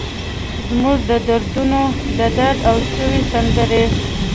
زموږ د دور دونو ، ددرد او سوي سندرې